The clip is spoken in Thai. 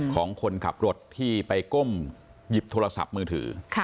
ของคนขับรถที่ไปก้มหยิบโทรศัพท์มือถือ